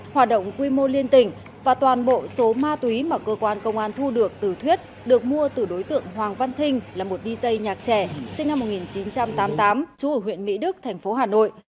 hoạt động quy mô liên tỉnh và toàn bộ số ma túy mà cơ quan công an thu được từ thuyết được mua từ đối tượng hoàng văn thinh là một dj nhạc trẻ sinh năm một nghìn chín trăm tám mươi tám trú ở huyện mỹ đức thành phố hà nội